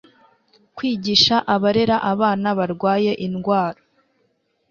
kwigisha abarera abana barwaye indwara